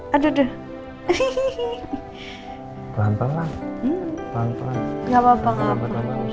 aduh deh pelan pelan nggak papa papa